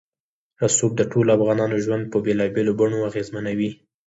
رسوب د ټولو افغانانو ژوند په بېلابېلو بڼو اغېزمنوي.